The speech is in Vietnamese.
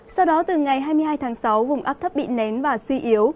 sau đó từ ngày hai mươi hai tháng sáu vùng áp thấp bị nén và suy yếu